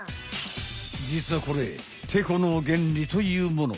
じつはこれテコの原理というもの。